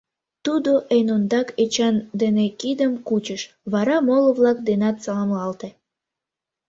Тудо эн ондак Эчан дене кидым кучыш, вара моло-влак денат саламлалте.